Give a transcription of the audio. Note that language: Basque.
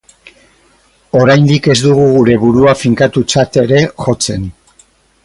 Oraindik ez dugu gure burua finkatutzat ere jotzen.